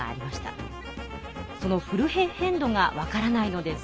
その「フルヘッヘンド」がわからないのです。